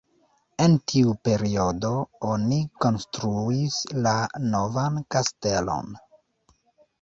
En tiu periodo oni konstruis la novan kastelon.